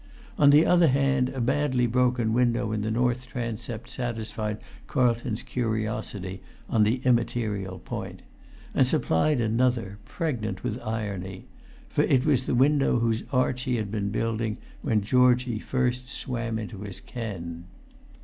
On the other hand, a badly broken window in the north transept satisfied Carlton's curiosity on the immaterial point; and supplied another, pregnant with irony; for it was the window whose arch he had been building when Georgie first swam into his ken.